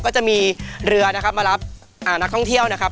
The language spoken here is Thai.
ก็จะมีเรือนะครับมารับนักท่องเที่ยวนะครับ